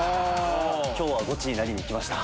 今日はゴチになりに来ました。